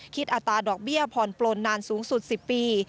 อัตราดอกเบี้ยผ่อนปลนนานสูงสุด๑๐ปี